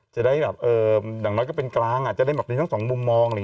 จะได้แบบอย่างน้อยก็เป็นกลางอ่ะจะได้ทั้ง๒มุมมอง